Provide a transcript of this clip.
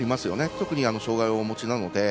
特に障がいをお持ちなので。